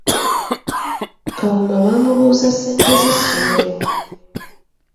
Kawuma baamubuuza ssente z’essomero.